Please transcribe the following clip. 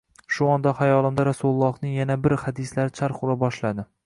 Shu onda xayolimda Rasulullohning yana bir hadislari charx ura boshladi